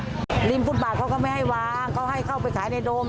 ริมฟุตบาทเขาก็ไม่ให้วางเขาให้เข้าไปขายในดม